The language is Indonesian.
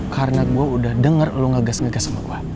karena gue udah denger lo ngegas ngegas sama gue